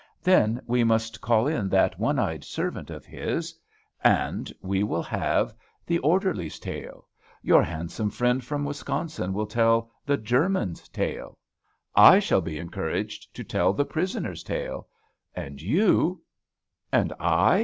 Then we must call in that one eyed servant of his; and we will have THE ORDERLY'S TALE. Your handsome friend from Wisconsin shall tell THE GERMAN'S TALE. I shall be encouraged to tell THE PRISONER'S TALE. And you" "And I?"